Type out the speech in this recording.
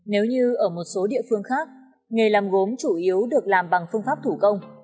nếu như ở một số địa phương khác nghề làm gốm chủ yếu được làm bằng phương pháp thủ công